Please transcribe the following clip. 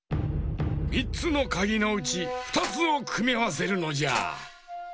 ３つのかぎのうち２つをくみあわせるのじゃ。